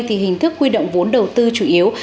thì hình thức huy động vốn đầu tư chủ yếu